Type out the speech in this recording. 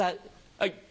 はい。